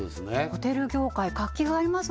ホテル業界活気があります